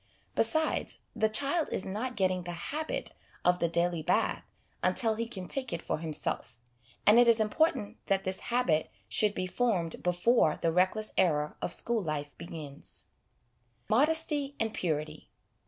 Besides, the child is not getting the habit of the daily bath until he can take it for himself, and it is important that this habit should be formed before the reckless era of school life begins. 128 HOME EDUCATION Modesty and Purity.